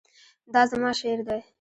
دا زما شعر دی